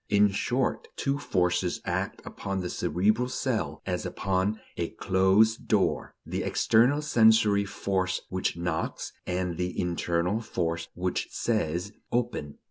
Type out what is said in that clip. In short, two forces act upon the cerebral cell, as upon a closed door: the external sensory force which knocks, and the internal force which says: Open.